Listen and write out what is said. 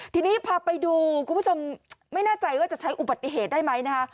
ทีนี้พาไปดูคุณผู้ชมไม่แน่ใจว่าจะใช้อุบัติเหตุได้ไหมนะคะ